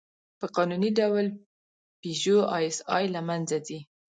په قانوني ډول «پيژو ایسآی» له منځه ځي.